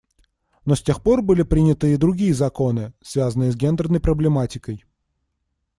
Но с тех пор были приняты и другие законы, связанные с гендерной проблематикой.